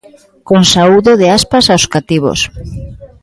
Con saúdo de Aspas aos cativos.